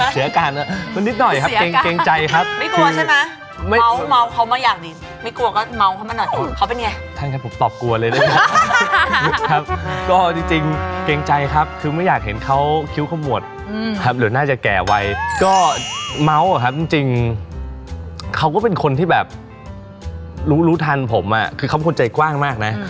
เสียอาการมันนิดหน่อยครับเกรงใจครับไม่กลัวใช่ไหมเม้าเม้าเขามาอยากนิดไม่กลัวก็เม้าเขามาหน่อยก่อนเขาเป็นไงท่านครับผมตอบกลัวเลยนะครับครับก็จริงเกรงใจครับคือไม่อยากเห็นเขาคิ้วขมวดอืมครับเหลือน่าจะแก่ไวก็เม้าเหรอครับจริงเขาก็เป็นคนที่แบบรู้รู้ทันผมอ่ะคือเข